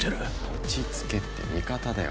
落ち着けって味方だよ